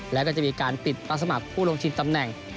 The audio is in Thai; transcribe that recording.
แล้วก็จะมีการปิดรับสมัครผู้ลงชิงตำแหน่ง